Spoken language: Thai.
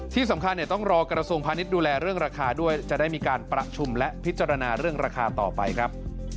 ที่สำคัญต้องรอกระทรวงพาณิชย์ดูแลเรื่องราคาด้วยจะได้มีการประชุมและพิจารณาเรื่องราคาต่อไปครับ